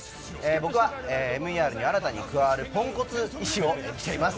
僕はＭＥＲに新たに加わるポンコツ医師を演じています。